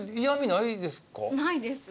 ないです。